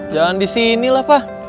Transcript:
jangan disini lah pak